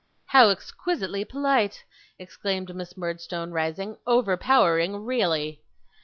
'How exquisitely polite!' exclaimed Miss Murdstone, rising. 'Overpowering, really!